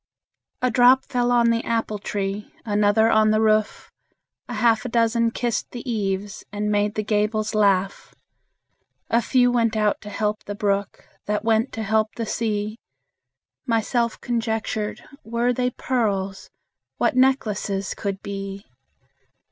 A drop fell on the apple tree, Another on the roof; A half a dozen kissed the eaves, And made the gables laugh. A few went out to help the brook, That went to help the sea. Myself conjectured, Were they pearls, What necklaces could be!